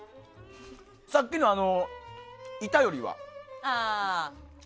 さっきの板よりは。